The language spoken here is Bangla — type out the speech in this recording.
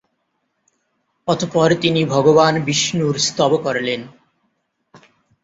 অতঃপর তিনি ভগবান বিষ্ণুর স্তব করলেন।